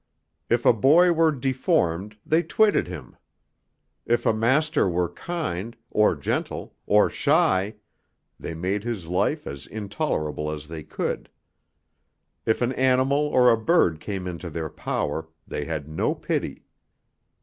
If a boy were deformed, they twitted him. If a master were kind, or gentle, or shy, they made his life as intolerable as they could. If an animal or a bird came into their power, they had no pity.